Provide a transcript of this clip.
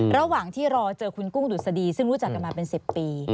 ระหว่างที่รอเจอคุณกุ้งดุษฎีซึ่งรู้จักกันมาเป็น๑๐ปี